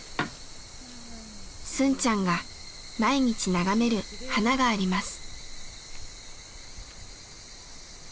スンちゃんが毎日眺める花があります。